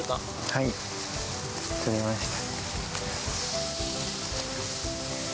・はい取れました。